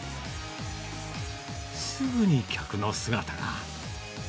すぐに客の姿が。